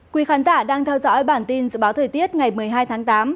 quý khán giả đang theo dõi bản tin dự báo thời tiết ngày một mươi hai tháng tám